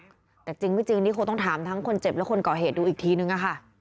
ความรักแต่จริงนี่คงต้องถามทั้งคนเจ็บและคนเก่าเหตุดูอีกทีหนึ่ง